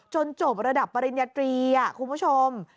จบระดับปริญญาตรีคุณผู้ชม